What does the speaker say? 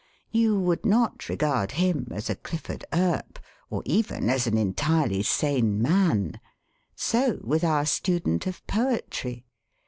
You would not regard him as a Clifford Earp, or even as an entirely sane man. So with our student of poetry.